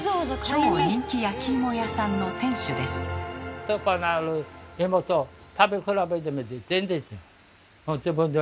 超人気焼き芋屋さんの店主です。